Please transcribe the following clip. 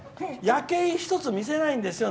夜景一つ見せないんですよ